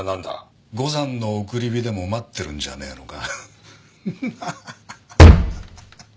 五山の送り火でも待ってるんじゃねえのか？